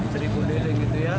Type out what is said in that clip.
seribu deling gitu ya